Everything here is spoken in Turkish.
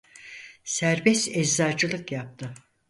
Serbest eczacılık yaptı.